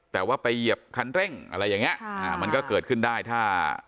แต่ว่าไปเหยียบคันเร่งอะไรอย่างเงี้มันก็เกิดขึ้นได้ถ้า